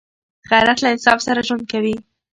غیرت له انصاف سره ژوند کوي